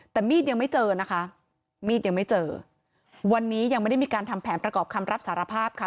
แต่มีดยังไม่เจอนะคะมีดยังไม่เจอวันนี้ยังไม่ได้มีการทำแผนประกอบคำรับสารภาพค่ะ